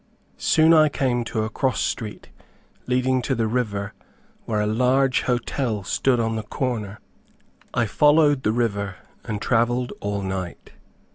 Soon I came to a cross street, leading to the river, where a large hotel stood on the corner. I followed the river, and travelled all night.